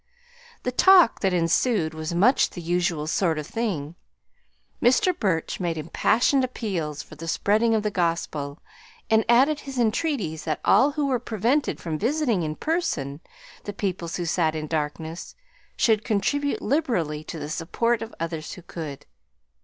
The talk that ensued was much the usual sort of thing. Mr. Burch made impassioned appeals for the spreading of the gospel, and added his entreaties that all who were prevented from visiting in person the peoples who sat in darkness should contribute liberally to the support of others who could.